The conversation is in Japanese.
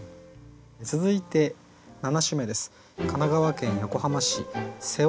続いて７首目です。